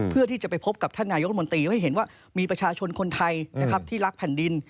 เพื่อที่จะไปพบกับท่านนายกรมนตรีให้เห็นว่ามีประชาชนคนไทยนะครับที่รักแผ่นดิน